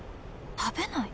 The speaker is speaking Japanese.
食べない。